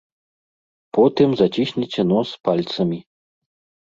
Потым зацісніце нос пальцамі.